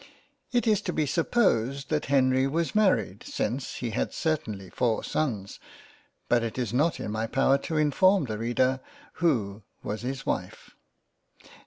It is to be supposed that Henry was married, since he had certainly four sons, but it is not in my power to inform the Reader who was his wife.